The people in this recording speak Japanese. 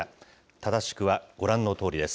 正しくはご覧のとおりです。